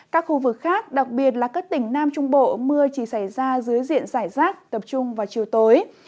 các khu vực khác đặc biệt là các tỉnh nam trung bộ mưa chỉ xảy ra dưới diện giải rác tập trung vào chiều tối